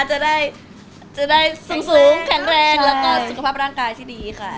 จะได้สูงแข็งแรงแล้วก็สุขภาพร่างกายที่ดีค่ะ